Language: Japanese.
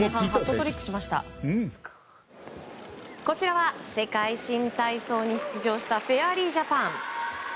こちらは世界新体操に出場したフェアリージャパン。